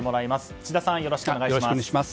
智田さん、よろしくお願いします。